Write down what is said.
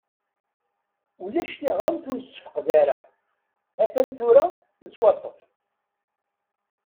Ulac tiɣmert ur nessefqed ara, hatan tura nettwaṭṭef.